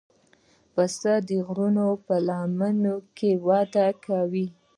پسه د غرونو په لمنو کې وده کوي.